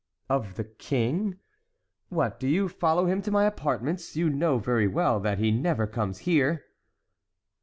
"Of the king? What, do you follow him to my apartments? You know very well that he never comes here."